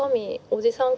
おじさん？